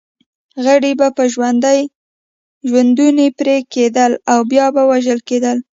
غړي به په ژوندوني پرې کېدل او بیا به وژل کېده.